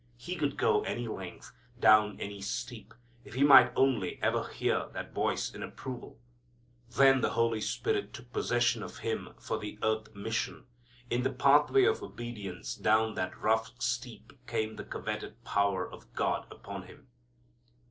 He could go any length, down any steep, if He might only ever hear that voice in approval. Then the Holy Spirit took possession of Him for the earth mission. In the pathway of obedience down that rough steep came the coveted power of God upon Him.